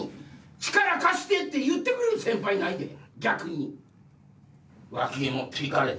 力貸して！って言ってくれる先輩ないで逆に。